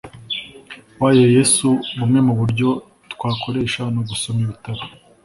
wayo yesu bumwe mu buryo twakoresha ni ugusoma igitabo